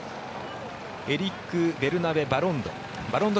エリック・ベルナベ・バロンド。